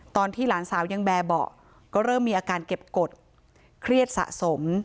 ตอนที่หลานสาวยังแบบเบาะก็เริ่มมีอาการเก็บกฎเครียดสะสม